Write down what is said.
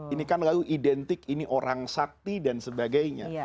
ini kan lalu identik ini orang sakti dan sebagainya